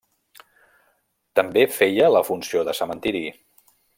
També feia la funció de cementiri.